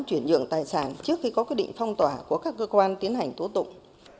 chuyển nhượng tài sản trước khi có quyết định phong tỏa của các cơ quan tiến hành tố tụng